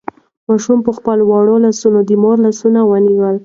ماشوم په خپلو وړوکو لاسو د مور لاس ونیو.